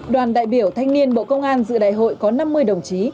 đoàn đại biểu thanh niên bộ công an dự đại hội có năm mươi đồng chí